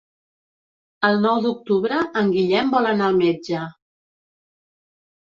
El nou d'octubre en Guillem vol anar al metge.